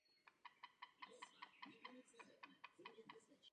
Zdravé stravování je součástí všeobecného vzdělání.